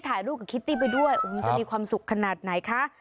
ถ่ายรูปกับคิตตี้ไปด้วยโอ้โหจะมีความสุขขนาดไหนคะ